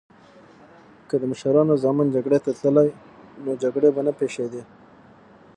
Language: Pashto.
که د مشرانو ځامن جګړی ته تللی نو جګړې به نه پیښیدی